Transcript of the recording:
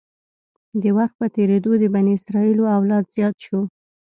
د وخت په تېرېدو د بني اسرایلو اولاد زیات شو.